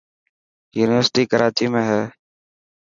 يونيورسٽي ڪراچي ۾ هي.